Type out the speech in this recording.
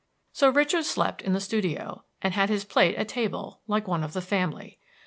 So Richard slept in the studio, and had his plate at table, like one of the family.